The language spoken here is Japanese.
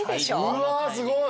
うわすごい！